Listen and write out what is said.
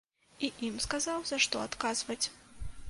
І ім сказаў, за што адказваць.